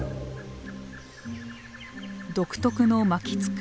独特の巻きつく尻尾。